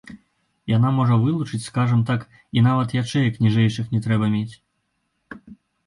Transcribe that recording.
Яна можа вылучыць, скажам так, і нават ячэек ніжэйшых не трэба мець.